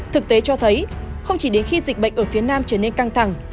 thực tế cho thấy không chỉ đến khi dịch bệnh ở phía nam trở nên căng thẳng